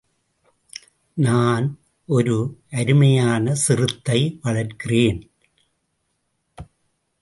நான் ஒரு அருமையான சிறுத்தை வளர்க்கிறேன்.